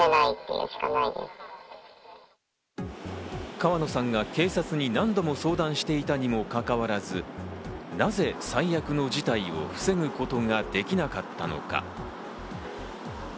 川野さんが警察に何度も相談していたにもかかわらず、なぜ最悪の事態を防ぐことができなかったのか？